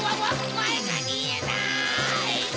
まえがみえない！